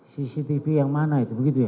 cctv yang mana itu begitu ya